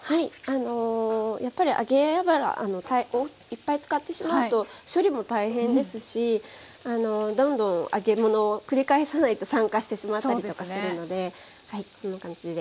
やっぱり揚げ油いっぱい使ってしまうと処理も大変ですしどんどん揚げ物繰り返さないと酸化してしまったりとかするのでこんな感じで。